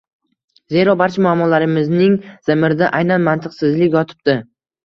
Zero, barcha muammolarimizning zamirida aynan mantiqsizlik yotibdi.